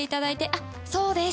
あっそうです。